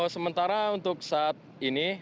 sementara untuk saat ini